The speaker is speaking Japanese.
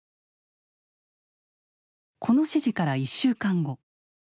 この指示から１週間後。